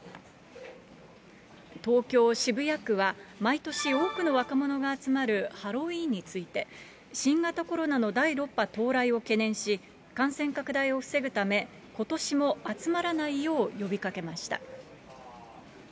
東京・渋谷区は毎年多くの若者が集まるハロウィーンについて、新型コロナの第６波到来を懸念し、感染拡大を防ぐため、ことしも集まらないよう呼びかけました。